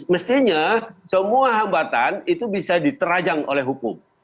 mestinya semua hambatan itu bisa diterajang oleh hukum